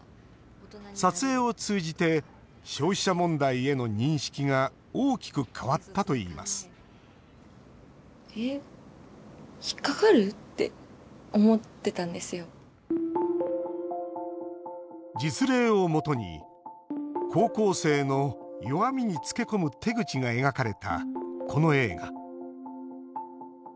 撮影を通じて消費者問題への認識が大きく変わったといいます実例をもとに高校生の弱みにつけ込む手口が描かれた、この映画。